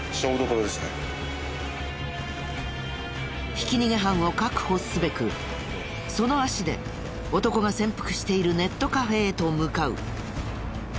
ひき逃げ犯を確保すべくその足で男が潜伏しているネットカフェへと向かう。